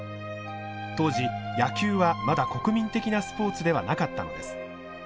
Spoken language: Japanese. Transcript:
当時野球はまだ国民的なスポーツではなかったのです。